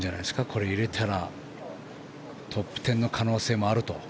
これ、入れたらトップ１０の可能性もあると。